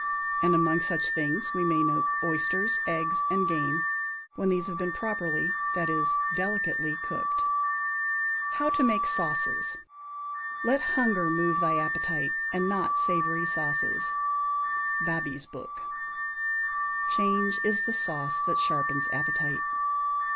And among such things we may note oysters, eggs and game, when these have been properly that is, delicately cooked. =How to Make Sauces.= Let hunger move thy appetyte, and not savory sauces. Babees Book. "Change is the sauce that sharpens appetite."